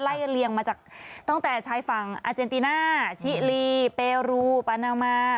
เลียงมาจากตั้งแต่ชายฝั่งอาเจนติน่าชิลีเปรูปานามา